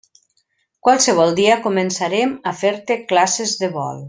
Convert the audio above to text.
Qualsevol dia començarem a fer-te classes de vol.